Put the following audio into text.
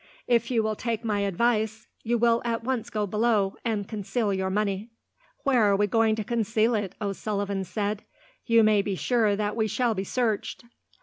"If you will take my advice you will at once go below, and conceal your money." "Where are we going to conceal it?" O'Sullivan said. "You may be sure that we shall be searched."